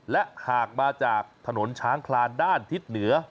และหากมาจากถนนช้างคลานด้านทิศเหนือ